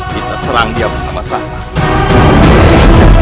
kita serang dia bersama sama